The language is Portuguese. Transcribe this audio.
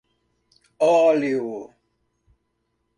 Óleo